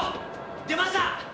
出ました！